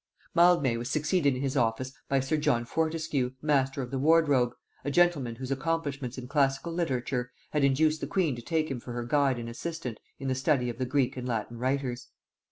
Mildmay was succeeded in his office by sir John Fortescue, master of the wardrobe, a gentleman whose accomplishments in classical literature had induced the queen to take him for her guide and assistant in the study of the Greek and Latin writers.